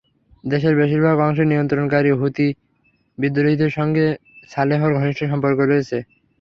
দেশের বেশির ভাগ অংশের নিয়ন্ত্রণকারী হুতি বিদ্রোহীদের সঙ্গে সালেহর ঘনিষ্ঠ সম্পর্ক রয়েছে।